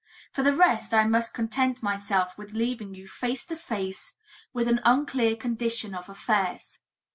For the rest, I must content myself with leaving you face to face with an unclear condition of affairs.